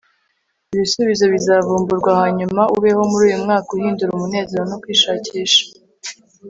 ibisubizo bizavumburwa hanyuma ubeho muri uyumwaka uhindura umunezero no kwishakisha